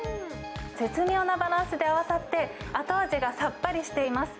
絶妙なバランスで合わさって、後味がさっぱりしています。